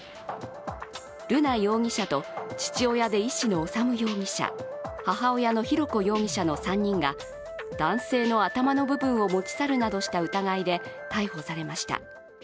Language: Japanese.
瑠奈容疑者と父親で医師の修容疑者、母親の浩子容疑者の３人が男性の頭の部分を持ち去るなどした疑いで逮捕されました。